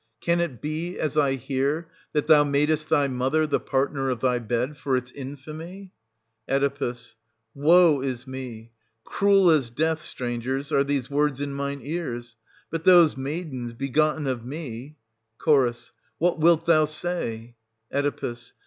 Can it be, as I hear, that thou madest thy mother the partner of thy bed, for its infamy } Oe. Woe is me ! Cruel as death, strangers, are these words in mine ears ;— but those maidens, begotten 530 of me — Ch. What wilt thou say i^ — Oe.